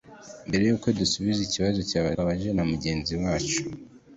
Mbere y’uko dusubiza ikibazo twabajijwe na mugenzi wacu